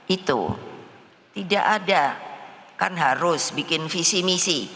itu tidak ada kan harus bikin visi misi